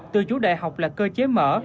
từ chủ đại học là cơ chế mở